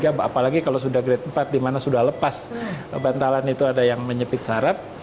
apalagi kalau sudah grade empat di mana sudah lepas bantalan itu ada yang menyepit sarap